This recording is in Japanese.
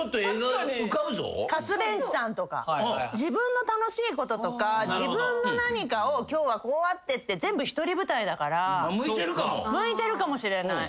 自分の楽しいこととか自分の何かを今日はこうあってって全部一人舞台だから向いてるかもしれない。